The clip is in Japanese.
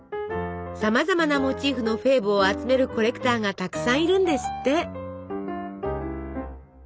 さまざまなモチーフのフェーブを集めるコレクターがたくさんいるんですって。